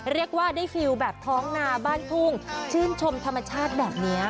เรียกว่าได้ฟิลแบบท้องนาบ้านทุ่งชื่นชมธรรมชาติแบบนี้